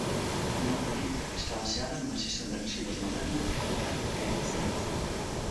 Unha política que está baseada nunha xestión de residuos moderna, eficaz e eficiente.